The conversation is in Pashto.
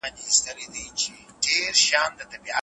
غروال